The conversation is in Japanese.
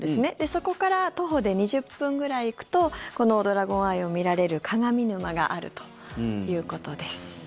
そこから徒歩で２０分くらい行くとこのドラゴンアイを見られる鏡沼があるということです。